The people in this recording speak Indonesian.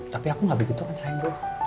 tapi aku nggak begitu kan sayang